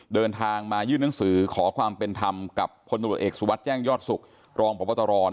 เดินทางมายื่นหนังสือขอความเป็นธรรมกับพลตรวจเอกสุวัสดิ์แจ้งยอดสุขรองพบตร